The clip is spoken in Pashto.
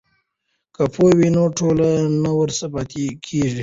که پوهه وي نو ټولنه نه وروسته پاتې کیږي.